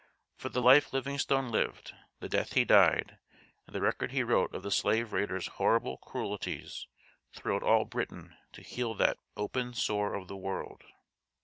For the life Livingstone lived, the death he died, and the record he wrote of the slave raiders' horrible cruelties thrilled all Britain to heal that "open sore of the world."